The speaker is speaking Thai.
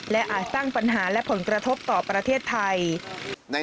และอาจสร้างปัญหาและผลกระทบต่อประเทศไทย